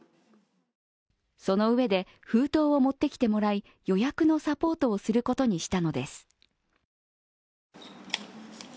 そのうえで、封筒を持ってきてもらい、予約のサポートをすることにしたのです。